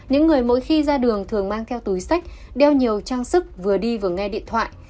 những người mỗi khi ra đường thường mang theo túi sách đeo nhiều trang sức vừa đi vừa nghe điện thoại